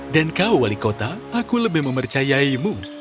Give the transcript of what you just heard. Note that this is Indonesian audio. dan kau wali kota aku lebih mempercayainmu